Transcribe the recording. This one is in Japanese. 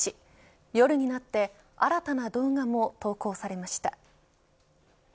夜になって新たな動画も投稿されました。